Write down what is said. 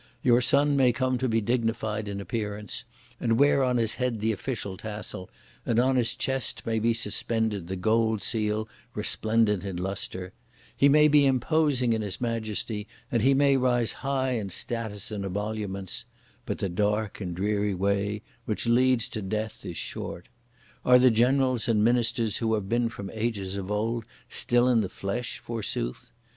(Your son) may come to be dignified in appearance and wear on his head the official tassel, and on his chest may be suspended the gold seal resplendent in lustre; he may be imposing in his majesty, and he may rise high in status and emoluments, but the dark and dreary way which leads to death is short! Are the generals and ministers who have been from ages of old still in the flesh, forsooth?